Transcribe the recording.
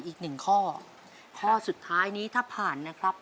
อีกหนึ่งข้อข้อสุดท้ายนี้ถ้าผ่านนะครับ